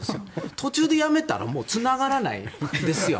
途中でやめたらつながらないですよ。